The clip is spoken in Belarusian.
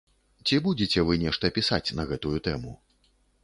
Ці будзеце вы нешта пісаць на гэтую тэму?